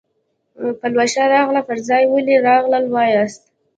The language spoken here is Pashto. پلوشه راغله پر ځای ولې راغلل وایاست.